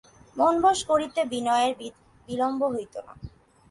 মন বশ করিতে বিনয়ের বিলম্ব হইত না।